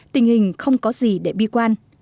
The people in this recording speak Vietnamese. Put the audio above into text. tình hình không có gì để bi quan